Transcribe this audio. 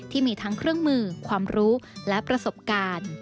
ที่มีทั้งเครื่องมือความรู้และประสบการณ์